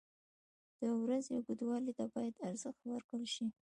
• د ورځې اوږدوالي ته باید ارزښت ورکړل شي.